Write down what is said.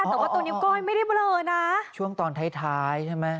แต่ว่าตัวนิ้วก้อยไม่ได้เบลอนะช่วงตอนท้ายท้ายใช่ไหม